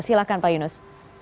silakan pak yunus